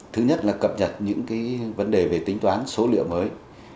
thứ nhất là cập nhật những vấn đề về tính toán số liệu mới